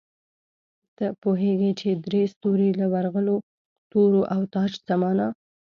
ته پوهېږې چې درې ستوري، له ورغلو تورو او تاج څه مانا؟